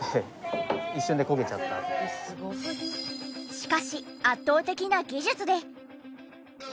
しかし圧倒的な技術で。